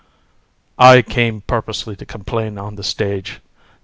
HAR. I came purposely to complain on the stage.